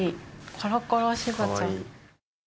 コロコロしばちゃん。